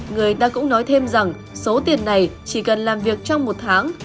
người ta cũng nói thêm rằng số tiền này chỉ cần làm việc trong một tháng